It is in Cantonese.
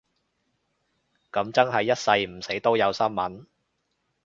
噉真係一世唔死都有新聞